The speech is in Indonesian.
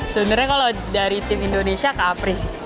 sebenernya kalau dari tim indonesia kak apri sih